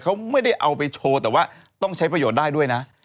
เขาไม่ได้เอาไปโชว์แต่ว่าต้องใช้ประโยชน์ได้ด้วยนะ